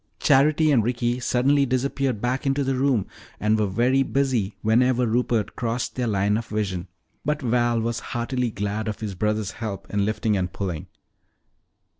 Charity and Ricky suddenly disappeared back into the room and were very busy whenever Rupert crossed their line of vision, but Val was heartily glad of his brother's help in lifting and pulling.